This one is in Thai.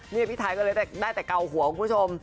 นี่พี่ไทยก็เลยได้แต่เกาหัวคุณผู้ชม